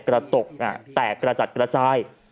กระจกแตกกระจัดกระจาย